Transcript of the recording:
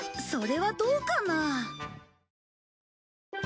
それはどうかな？